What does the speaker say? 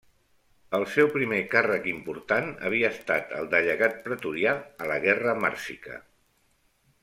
El seu primer càrrec important havia estat el de llegat pretorià a la guerra màrsica.